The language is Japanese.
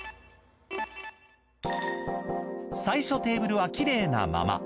最初テーブルはキレイなまま。